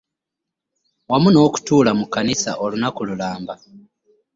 Wamu n'okutuula mu kkanisa olunaku lulamba